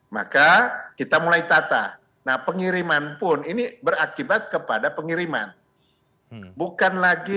maka kita mulai tata nah pengiriman pun ini berakibat kepada pengiriman bukan lagi